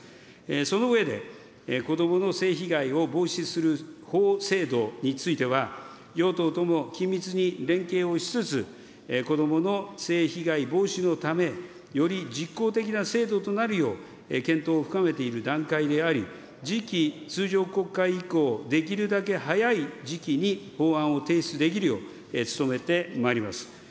その上で、子どもの性被害を防止する法制度については、与党とも緊密に連携をしつつ、子どもの性被害防止のため、より実効的な制度となるよう、検討を深めている段階であり、次期通常国会以降、できるだけ早い時期に、法案を提出できるよう、努めてまいります。